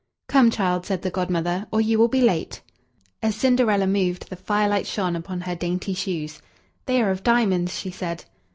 "Come, child," said the Godmother, "or you will be late." As Cinderella moved, the firelight shone upon her dainty shoes. "They are of diamonds," she said.